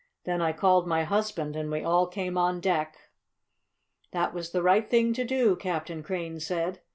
"Then I called my husband and we all came on deck." "That was the right thing to do," Captain Crane said.